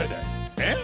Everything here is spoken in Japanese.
えっ？